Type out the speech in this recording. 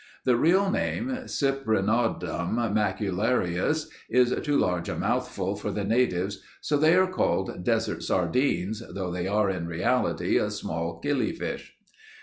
The real name, Cyprinodon Macularius, is too large a mouthful for the natives so they are called desert sardines, though they are in reality a small killifish.